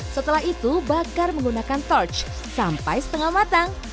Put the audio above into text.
setelah itu bakar menggunakan torch sampai setengah matang